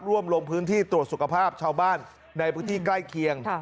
ลงพื้นที่ตรวจสุขภาพชาวบ้านในพื้นที่ใกล้เคียง